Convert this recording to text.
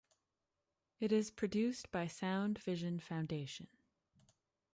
It is produced by Sound Vision Foundation.